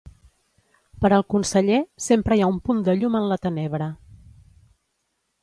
Per al conseller ‘sempre hi ha un punt de llum en la tenebra’.